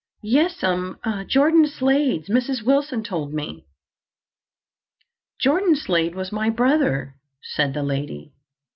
"Yes'm—Jordan Slade's. Mrs. Wilson told me." "Jordan Slade was my brother," said the lady.